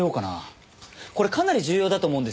これかなり重要だと思うんですよね。